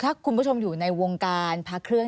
ถ้าคุณผู้ชมอยู่ในวงการพระเครื่อง